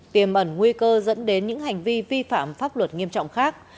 tiềm ẩn nguy cơ dẫn đến những hành vi vi phạm pháp luật nghiêm trọng khác